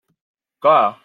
Clar!